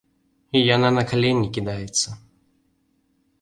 Яна на калені кідаецца.